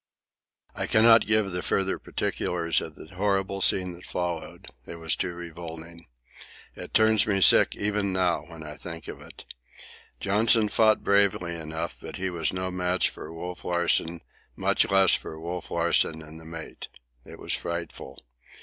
I cannot give the further particulars of the horrible scene that followed. It was too revolting. It turns me sick even now when I think of it. Johnson fought bravely enough, but he was no match for Wolf Larsen, much less for Wolf Larsen and the mate. It was frightful.